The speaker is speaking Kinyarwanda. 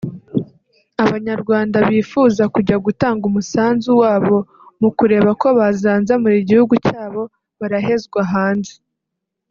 Abanyarwanda bifuza kujya gutanga umusanzu wabo mukureba ko bazanzamura igihugu cyabo barahezwa hanze